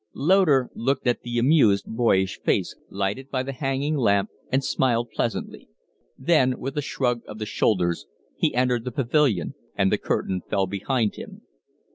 Loder looked at the amused, boyish face lighted by the hanging lamp, and smiled pleasantly; then, with a shrug of the shoulders, he entered the pavilion and the curtain fell behind him.